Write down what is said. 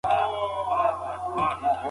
دا یو ساده خو مهم فرمول دی.